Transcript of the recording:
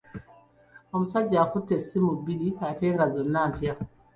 Omusajja akutte essimu bbiri ate nga zonna mpya.